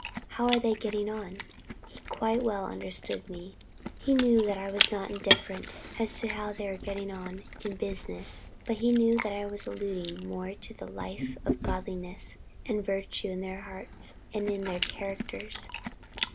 How are they getting on?" He quite well understood me. He knew that I was not indifferent as to how they were getting on in business, but he knew that I was alluding more to the life of godliness and virtue in their hearts and in their characters.